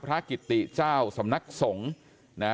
พระกิติเจ้าสำนักสงฆ์